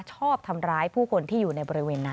ชอบทำร้ายผู้คนที่อยู่ในบริเวณนั้น